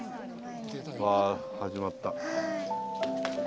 わ始まった。